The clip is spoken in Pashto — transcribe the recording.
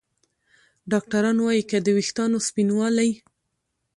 ډاکتران وايي که د ویښتانو سپینوالی